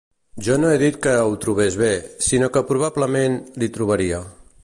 Jo no he dit que ho trobés bé, sinó que probablement l'hi trobaria.